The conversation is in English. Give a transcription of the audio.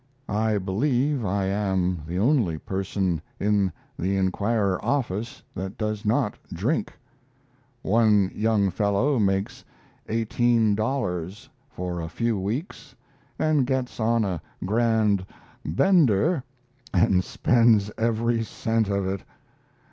I believe I am the only person in the Inquirer office that does not drink. One young fellow makes $18 for a few weeks, and gets on a grand "bender" and spends every cent of it.